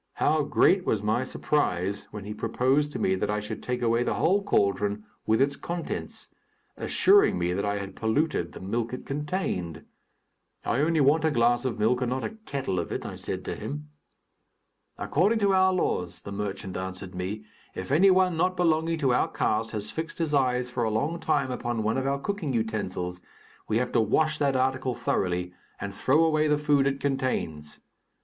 How great was my surprise when he proposed to me that I should take away the whole cauldron, with its contents, assuring me that I had polluted the milk it contained! "I only want a glass of milk and not a kettle of it," I said to him. "According to our laws," the merchant answered me, "if any one not belonging to our caste has fixed his eyes for a long time upon one of our cooking utensils, we have to wash that article thoroughly, and throw away the food it contains.